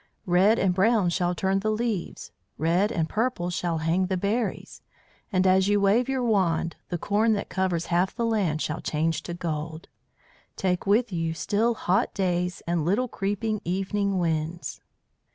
Red and brown shall turn the leaves, red and purple shall hang the berries, and as you wave your wand the corn that covers half the land shall change to gold. Take with you still hot days and little creeping evening winds."